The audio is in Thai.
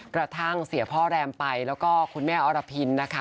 กระทั่งเสียพ่อแรมไปแล้วก็คุณแม่อรพินนะคะ